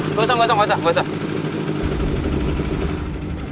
gak usah gak usah gak usah